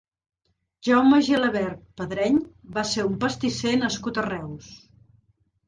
Jaume Gilabert Padreny va ser un pastisser nascut a Reus.